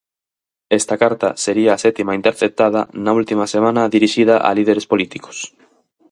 Esta carta sería a sétima interceptada na última semana dirixida a líderes políticos.